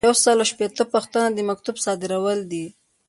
یو سل او شپیتمه پوښتنه د مکتوب صادرول دي.